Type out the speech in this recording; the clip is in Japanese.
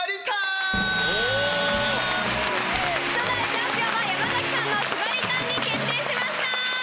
初代チャンピオンは山さんの縛りタンに決定しました！